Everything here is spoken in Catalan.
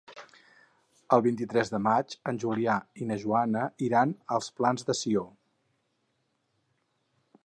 El vint-i-tres de maig en Julià i na Joana iran als Plans de Sió.